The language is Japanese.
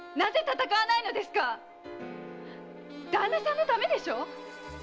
⁉旦那さんのためでしょう？